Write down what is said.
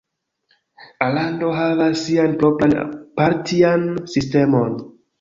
Alando havas sian propran partian sistemon.